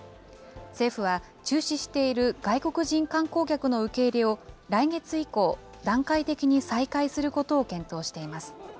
政府は中止している外国人観光客の受け入れを来月以降、段階的に再開することを検討しています。